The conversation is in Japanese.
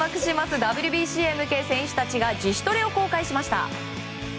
ＷＢＣに向け選手たちが自主トレを公開しました。